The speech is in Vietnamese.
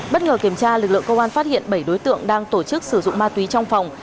bất ngờ kiểm tra lực lượng công an phát hiện bảy đối tượng đang tổ chức sử dụng ma túy trong phòng